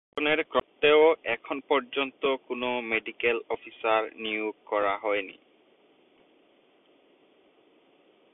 জনগণের ক্রমাগত দাবি সত্ত্বেও এখন পর্যন্ত কোন মেডিকেল অফিসার নিয়োগ করা হয়নি।